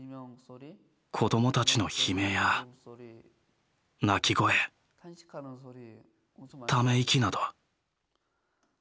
子どもたちの悲鳴や泣き声ため息など。